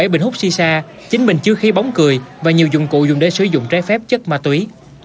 bảy bình hút xì xa chín bình chứa khí bóng cười và nhiều dụng cụ dùng để sử dụng trái phép chất ma túy